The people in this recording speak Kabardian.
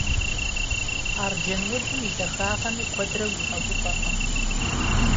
Арджэнудзым и дахагъэми куэдрэ уигъэгуфӀэркъым.